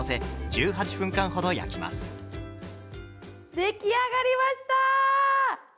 出来上がりました！